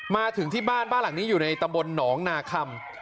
มาถึงที่บ้านบ้านหลังนี้อยู่ในตำบลหนองนาคำ